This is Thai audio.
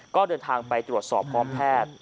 ก็เดินทางไปตรวจสอบพร้อมแพทย์